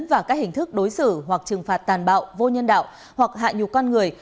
và các hình thức đối xử hoặc trừng phạt tàn bạo vô nhân đạo hoặc hạ nhục con người